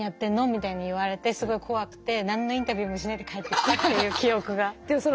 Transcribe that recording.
みたいに言われてすごい怖くて何のインタビューもしないで帰ってきたっていう記憶があります。